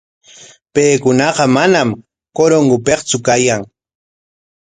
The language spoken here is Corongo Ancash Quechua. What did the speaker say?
Paykunaqa manam Corongopiktsu kayan.